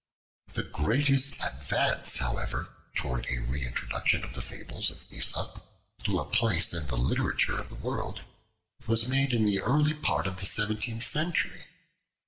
The greatest advance, however, towards a re introduction of the Fables of Aesop to a place in the literature of the world, was made in the early part of the seventeenth century.